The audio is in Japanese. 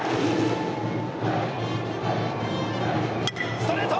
ストレート！